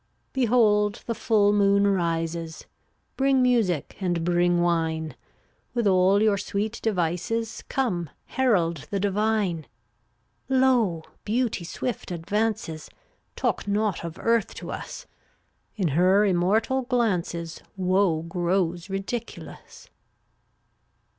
382 Behold, the full moon rises; Bring music and bring wine; With all your sweet devices, Come, herald the divine. Lo, beauty swift advances! Talk not of earth to us; In her immortal glances Woe grows ridiculous.